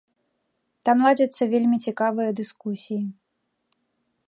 Там ладзяцца вельмі цікавыя дыскусіі.